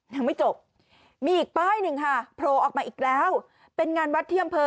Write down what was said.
ยังไม่จบมีอีกป้ายหนึ่งค่ะโผล่ออกมาอีกแล้วเป็นงานวัดที่อำเภอ